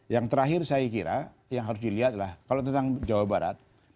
yang terakhir saya kira yang harus dilihat adalah kalau tentang jawa barat